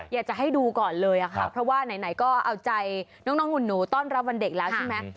อยากจะให้ดูก่อนเลยค่ะเพราะว่าไหนก็เอาใจน้องหุ่นหนูต้อนรับวันเด็กแล้วใช่ไหม